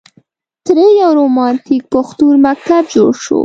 ترې یو رومانتیک پښتون مکتب جوړ شو.